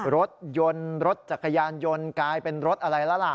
รถยนต์รถจักรยานยนต์กลายเป็นรถอะไรแล้วล่ะ